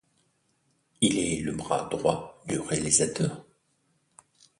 Il est le bras droit du réalisateur.